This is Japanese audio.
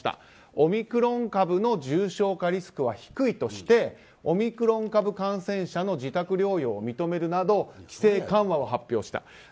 オミクロン株の重症化リスクは低いとしてオミクロン株感染者の自宅療養を認めるなど規制緩和を発表した。